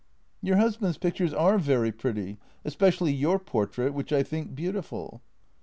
"" Your husband's pictures are very pretty, especially your portrait, which I think beautiful."